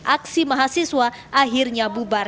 aksi mahasiswa akhirnya bubar